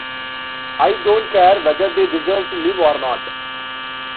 I don't care whether they deserve to live or not.